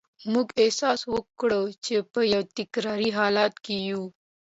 موږ احساس وکړ چې په یو تکراري حالت کې یو